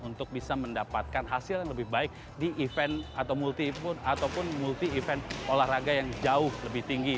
untuk bisa mendapatkan hasil yang lebih baik di event atau multi event olahraga yang jauh lebih tinggi